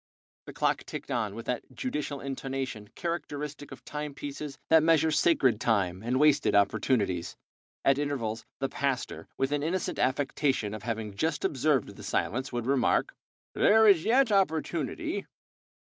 The clock ticked on with that judicial intonation characteristic of time pieces that measure sacred time and wasted opportunities. At intervals the pastor, with an innocent affectation of having just observed the silence, would remark: "There is yet opportunity.